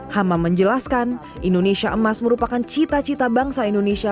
hama menjelaskan indonesia emas merupakan cita cita bangsa indonesia